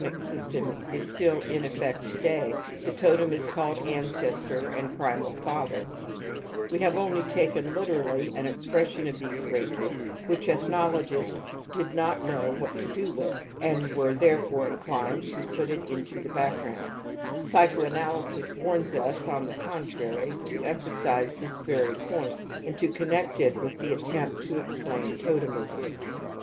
5, i INFANTILE RECURRENCE OF TOTEMISM 219 system is still in effect to dav > the tote m is called m^iT^fistor ftn^ prilTiPiT ^tfh^^ We have only taken literally an expression of these races which ethnologists did not know what to do with and were therefore inchned to put it into the backgroimd. Psychoanalysis warns us, on the contrary, to emphasize this very point and to connect it with the attempt to explain totem ism *^